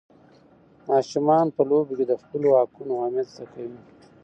ماشومان په لوبو کې د خپلو حقونو اهمیت زده کوي.